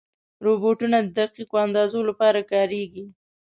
روبوټونه د دقیقو اندازو لپاره کارېږي.